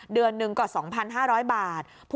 เดือนหนึ่งกว่า๒๕๐๐บาท